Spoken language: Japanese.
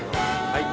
はい。